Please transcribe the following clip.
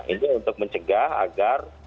ini untuk mencegah agar